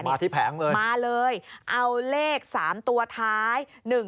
มาที่แผงเลยมาเลยเอาเลข๓ตัวท้าย